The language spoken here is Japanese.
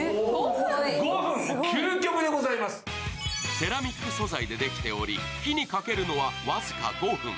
セラミック素材でできており、火にかけるのは僅か５分。